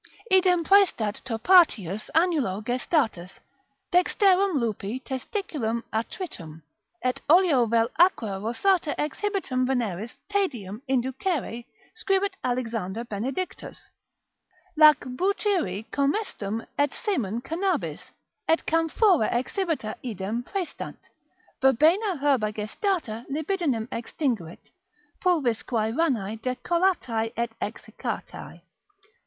Idem praestat Topatius annulo gestatus, dexterum lupi testiculum attritum, et oleo vel aqua rosata exhibitum veneris taedium inducere scribit Alexander Benedictus: lac butyri commestum et semen canabis, et camphora exhibita idem praestant. Verbena herba gestata libidinem extinguit, pulvisquae ranae decollatae et exiccatae.